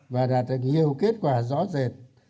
và đạt được nhiều kết quả rõ rệt